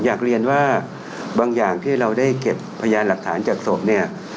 อยากเรียนว่าบางอย่างที่เราได้เก็บพยานหลักฐานจากศพเนี่ย